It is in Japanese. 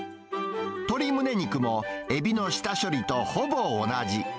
鶏むね肉も、エビの下処理とほぼ同じ。